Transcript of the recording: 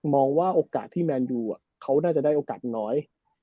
ว่าโอกาสที่แมนยูเขาน่าจะได้โอกาสน้อย